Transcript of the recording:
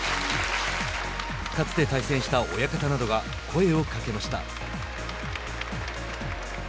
かつて対戦した親方などが声をかけました。